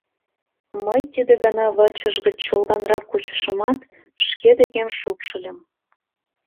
Мый тиде гана вачыж гыч чолганрак кучышымат, шке декем шупшыльым.